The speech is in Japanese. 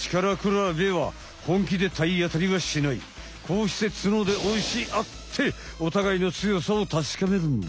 こうして角で押し合っておたがいの強さを確かめるんだ。